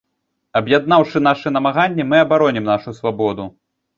Аб'яднаўшы нашы намаганні, мы абаронім нашу свабоду!